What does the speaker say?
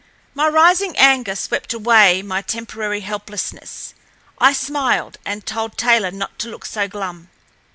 My rising anger swept away my temporary helplessness. I smiled, and told Taylor not to look so glum.